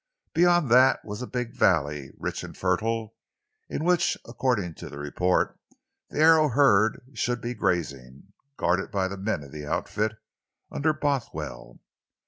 Beyond that was a big valley, rich and fertile, in which, according to report, the Arrow herd should be grazing, guarded by the men of the outfit, under Bothwell.